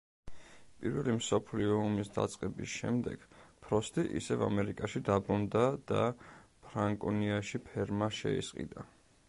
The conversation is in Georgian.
პირველი მსოფლიო ომის დაწყების შემდეგ ფროსტი ისევ ამერიკაში დაბრუნდა და ფრანკონიაში ფერმა შეისყიდა.